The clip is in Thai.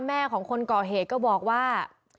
แม่ของคนก่อเหตุก็บอกว่า